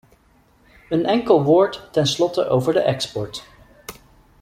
Een enkel woord ten slotte over de export.